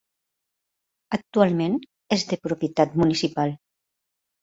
Actualment és de propietat municipal.